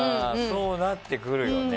そうなってくるよね。